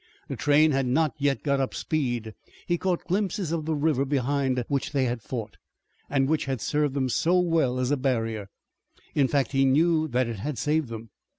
The train had not yet got up speed. He caught glimpses of the river behind which they had fought, and which had served them so well as a barrier. In fact, he knew that it had saved them.